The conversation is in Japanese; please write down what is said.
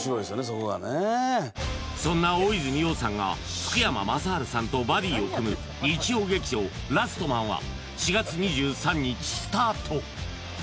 そこがねそんな大泉洋さんが福山雅治さんとバディを組む日曜劇場「ラストマン」は４月２３日スタート！